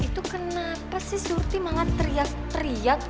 itu kenapa sih surti malah teriak teriak